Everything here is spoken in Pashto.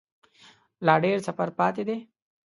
لا ډیر سفر پاته دی